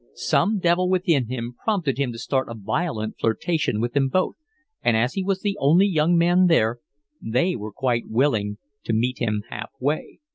Some devil within him prompted him to start a violent flirtation with them both, and as he was the only young man there, they were quite willing to meet him half way.